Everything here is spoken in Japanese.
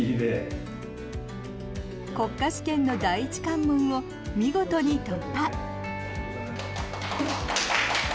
国家資格の第１関門を見事に突破。